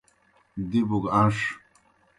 دِبوْ گہ ان٘ݜ۔